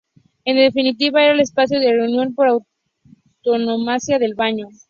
En definitiva era el espacio de reunión por antonomasia del baño.